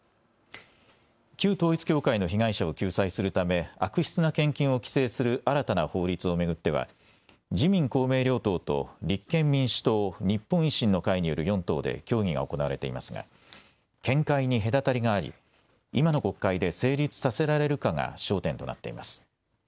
旧統一教会の被害者を救済するため悪質な献金を規制する新たな法律を巡っては自民公明両党と立憲民主党、日本維新の会による４党で協議が行われていますが見解に隔たりがあり今の国会で成立させられるかが焦点となっています。